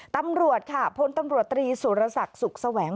ตำรวจค่ะพลตำรวจตรีสุรศักดิ์สุขแสวง